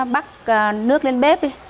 bắt nước lên bếp